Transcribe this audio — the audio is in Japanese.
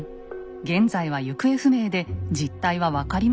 現在は行方不明で実態は分かりません。